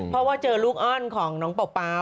เพราะว่าเจอลูกอ้อนของน้องเปล่า